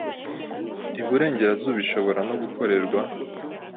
Iburengerazuba ishobora no gukorerwa